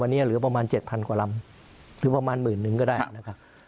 เมื่อนี้เหลือประมาณ๗๐๐๐กว่าลำหรือประมาณ๑๐๐๐๐กว่าได้นะครับ